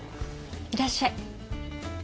いらっしゃい。